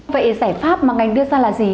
vậy giải pháp mà ngành đưa ra là gì